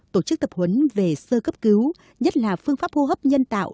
tổ chức tập huấn về sơ cấp cứu nhất là phương pháp hô hấp nhân tạo